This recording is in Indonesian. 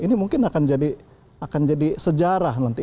ini mungkin akan jadi sejarah nanti